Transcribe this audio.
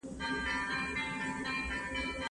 سوله لږه وه.